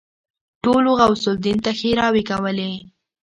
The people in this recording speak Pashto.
ټولو غوث الدين ته ښېراوې کولې.